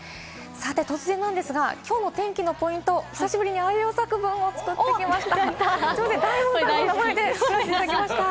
突然なんですが、きょうの天気のポイント、久しぶりにあいうえお作文を作ってきました。